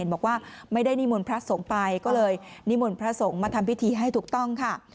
บอกว่าไม่ได้นิมนต์พระสงฆ์ไปก็เลยนิมนต์พระสงฆ์มาทำพิธีให้ถูกต้องค่ะ